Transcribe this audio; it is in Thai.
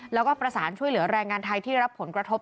แล้วก็ประสานช่วยเหลือแรงงานไทยที่รับผลกระทบ